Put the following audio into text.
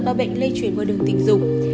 bao bệnh lê truyền qua đường tình dục